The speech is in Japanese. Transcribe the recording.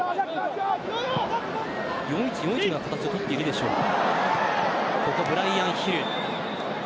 ４−１−４−１のような形を取っているでしょうか。